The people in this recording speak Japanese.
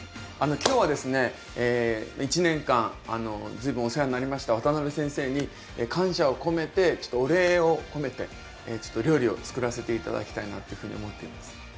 今日はですね１年間随分お世話になりました渡辺先生に感謝を込めてお礼を込めてちょっと料理を作らせて頂きたいなっていうふうに思っています。